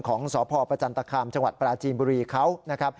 ของสภประจันตครรมจังหวัดปราจีนบุรีเขา